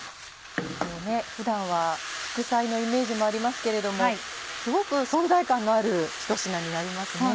普段は副菜のイメージもありますけれどもすごく存在感のあるひと品になりますね。